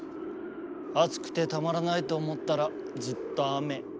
暑くてたまらないと思ったらずっと雨。